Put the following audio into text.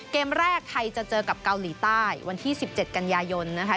เกมแรกไทยจะเจอกับเกาหลีใต้วันที่๑๗กันยายนนะคะ